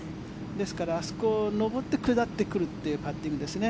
ですから、あそこを上って下ってくるというパッティングですね。